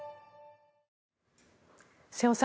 瀬尾さん